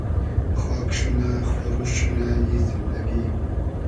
خاگ شونۂ خوروشت شونۂ ای زیندئگی